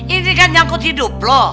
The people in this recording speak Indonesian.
ini kan nyangkut hidup loh